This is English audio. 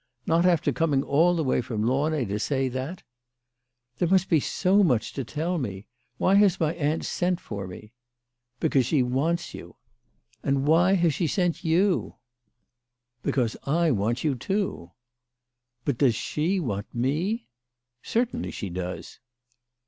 " Not after coming all the way from Launay to say that?" " There must be so much to tell me ? Why has my aunt sent for me?" " Because she wants you." " And why has she sent you ?" 188 THE LADY OF LATIN AY. " Because I want you too." "But does she want me ?"" Certainly she does."